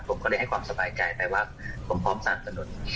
ผมก็เลยให้ความสบายใจไปว่าผมพร้อมสนับสนุน